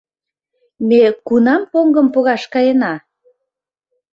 — Ме кунам поҥгым погаш каена?